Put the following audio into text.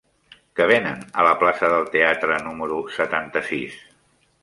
Què venen a la plaça del Teatre número setanta-sis?